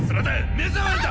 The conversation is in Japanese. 目障りだ！